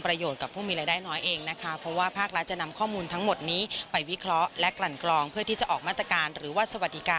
เพื่อมันให้พลาดสิทธิ์